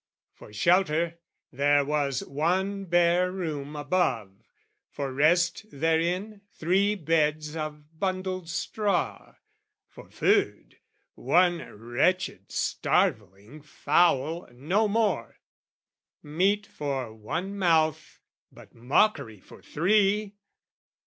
For shelter, there was one bare room above; For rest therein, three beds of bundled straw: For food, one wretched starveling fowl, no more Meat for one mouth, but mockery for three.